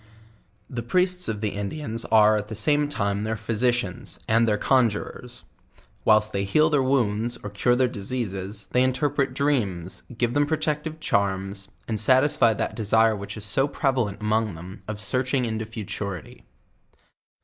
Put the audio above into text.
The Priests of the Indians are at the same time their physicians, and their conjurers; whilst they heal their wounds, or cure their diseases, they interpret dreams, give them pro tective charms, and satisfy that desire which is so prevalent among them of searching into futurity.